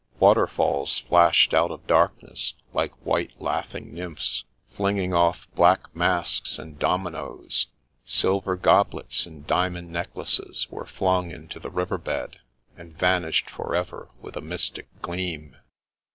Waterfalls flashed out of darkness, like white, laughing nymphs flinging off black masks and dominoes ; silver goblets and diamond necklaces were flung into the river bed, and vanished forever with a mystic gleam.